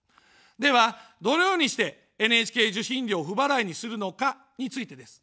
では、どのようにしてＮＨＫ受信料を不払いにするのかについてです。